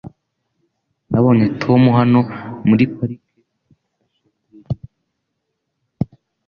Nabonye Tom hano muri parike hashize igihe gito.